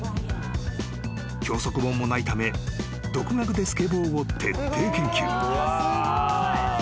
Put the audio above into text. ［教則本もないため独学でスケボーを徹底研究］